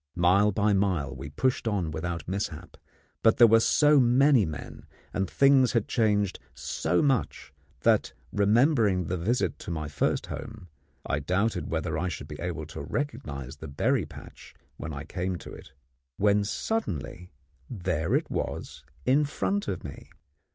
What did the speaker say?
Mile by mile we pushed on without mishap, but there were so many men, and things had changed so much that, remembering the visit to my first home, I doubted whether I should be able to recognise the berry patch when I came to it; when suddenly there it was in front of me!